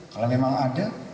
kalau memang ada